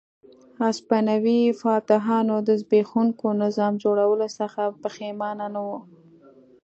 هسپانوي فاتحانو د زبېښونکي نظام جوړولو څخه پښېمانه نه وو.